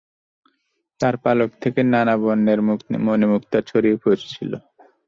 তার পালক থেকে নানা বর্ণের মণি-মুক্তা ছড়িয়ে পড়ছিল।